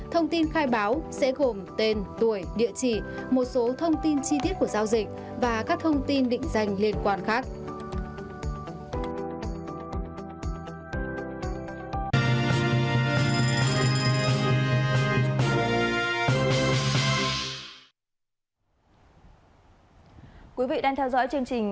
thông tin khai báo sẽ gồm tên tuổi địa chỉ một số thông tin chi tiết của giao dịch và các thông tin định dành liên quan khác